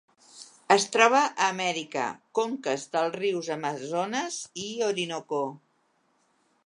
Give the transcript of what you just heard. Es troba a Amèrica: conques dels rius Amazones i Orinoco.